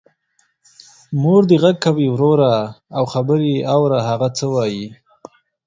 مور دی غږ کوې وروره او خبر یې اوره هغه څه وايي.